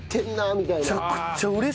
みたいな。